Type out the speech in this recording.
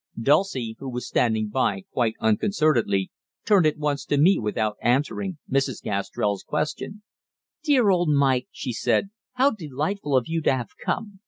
Dulcie, who was standing by quite unconcernedly, turned at once to me without answering Mrs. Gastrell's question. "Dear old Mike," she said, "how delightful of you to have come.